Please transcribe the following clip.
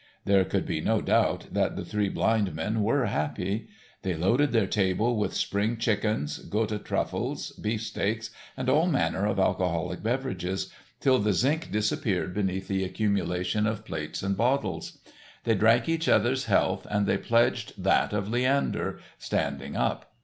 There could be no doubt that the three blind men were happy. They loaded their table with spring chickens, Gotha truffles, beefsteaks, and all manner of "alcoholic beverages," till the zinc disappeared beneath the accumulation of plates and bottles. They drank each other's health and they pledged that of Leander, standing up.